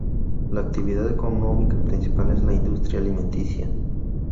La actividad económica principal es la industria alimenticia.